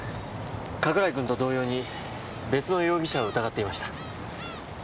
加倉井君と同様に別の容疑者を疑っていました。